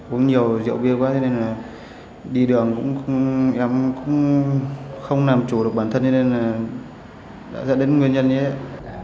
uống nhiều rượu bia quá nên là đi đường cũng không làm chủ được bản thân nên là đã dẫn đến nguyên nhân như thế